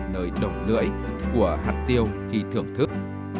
nơi động lưỡi của hạt tiêu khi thưởng thức